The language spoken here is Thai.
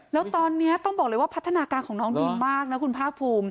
แล้วตอนนี้ต้องบอกเลยว่าพัฒนาการของน้องดีมากนะคุณภาคภูมิ